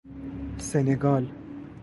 سنگال